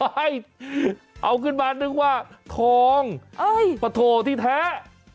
ให้เอาขึ้นมานึกว่าทองปะโถที่แท้